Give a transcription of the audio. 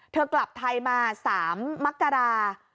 เธอกลับไทยมา๓มกราศาสตร์